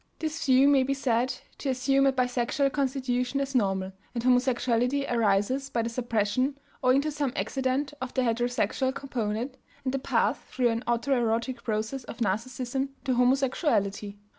This view may be said to assume a bisexual constitution as normal, and homosexuality arises by the suppression, owing to some accident, of the heterosexual component, and the path through an autoerotic process of Narcissism to homosexuality.